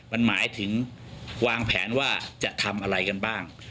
มันหมายถึงวางแผนว่าจะทำอะไรกันบ้าง